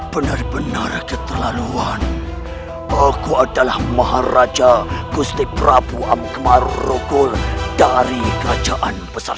benar benar keterlaluan aku adalah maharaja gusti prabu ammar rukul dari kerajaan besar